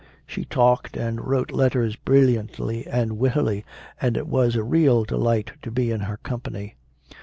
She talked and wrote letters brilliantly and wittily, and it was a real delight to be in her company.